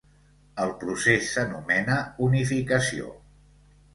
El procés s'anomena unificació.